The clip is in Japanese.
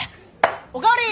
おかわり！